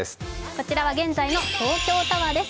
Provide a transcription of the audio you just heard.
こちらは現在の東京タワーです。